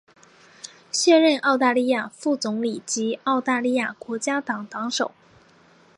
现任澳大利亚副总理及澳大利亚国家党党首。